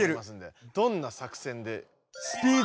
どんな作戦で？